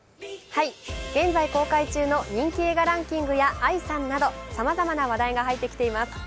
現在公開中の人気映画ランキングやＡＩさんなどさまざまな話題が入ってきています。